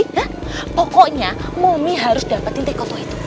hah pokoknya momi harus dapetin teko tua itu